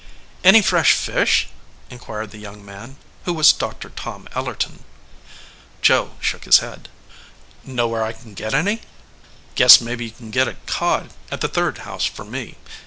"Any fresh fish?" inquired the young man, who was Dr. Tom Ellerton. 131 EDGEWATER PEOPLE Joe shook his head. "Know where I can get any?" "Guess mebbe you can get a cod at the third house from me.